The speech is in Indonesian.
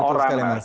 ya betul sekali mas